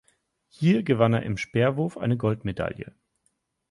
Hier gewann er im Speerwurf eine Goldmedaille.